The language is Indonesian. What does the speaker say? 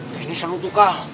nah ini selalu tuh kal